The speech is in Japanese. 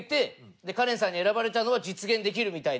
でカレンさんに選ばれたのは実現できるみたいな。